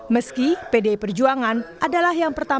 meski pdi perjuangan adalah yang pertama